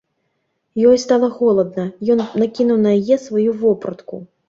Ёй стала холадна, ён накінуў на яе сваю вопратку.